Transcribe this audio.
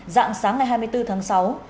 dạng sáng ngày hai mươi bốn tháng sáu